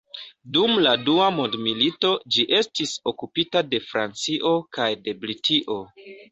Dum la dua mondmilito ĝi estis okupita de Francio kaj de Britio.